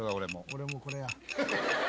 「俺もこれや。